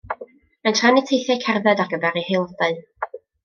Mae'n trefnu teithiau cerdded ar gyfer ei haelodau.